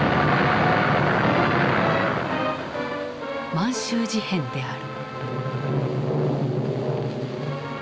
満州事変である。